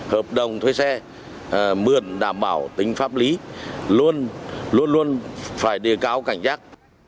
hợp đồng thuê xe mượn đảm bảo tính pháp lý luôn luôn phải đề cao cảnh giác